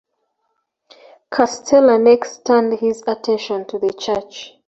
Castelar next turned his attention to the Church.